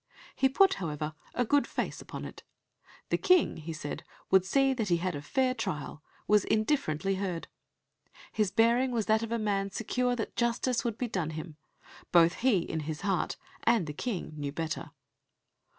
He put, however, a good face upon it. The King, he said, would see that he had a fair trial "was indifferently heard." His bearing was that of a man secure that justice would be done him. Both he, in his heart, and the King, knew better.